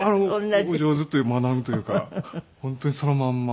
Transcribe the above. お上手というなんというか本当にそのまんま。